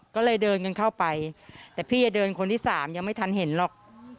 ก็เลยเดินกันเข้าไปแต่พี่จะเดินคนที่สามยังไม่ทันเห็นหรอก